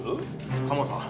カモさん